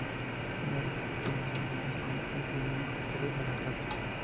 Tienen orejas pequeñas, ojos grandes y convergentes, y miembros posteriores alargados.